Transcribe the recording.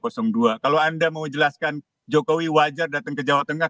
kalau anda mau jelaskan jokowi wajar datang ke jawa tengah